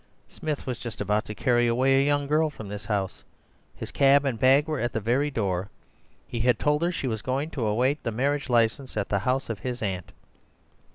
Smith was just about to carry away a young girl from this house; his cab and bag were at the very door. He had told her she was going to await the marriage license at the house of his aunt.